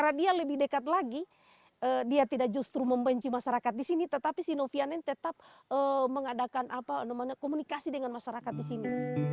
karena dia lebih dekat lagi dia tidak justru membenci masyarakat di sini tetapi si novianen tetap mengadakan komunikasi dengan masyarakat di sini